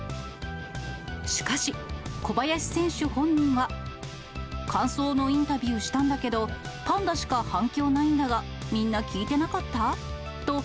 しかし、小林選手本人は、感想のインタビューしたんだけど、パンダしか反響ないんだが、みんな、聞いてなかった？